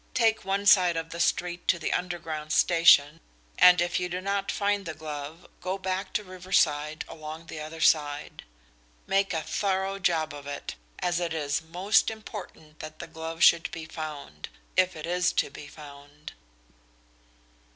Take one side of the street to the Underground station and if you do not find the glove go back to Riversbrook along the other side. Make a thorough job of it, as it is most important that the glove should be found if it is to be found."